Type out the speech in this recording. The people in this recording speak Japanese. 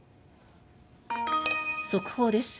速報です。